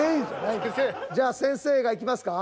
じゃあ先生がいきますか？